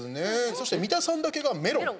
そして三田さんだけがメロン。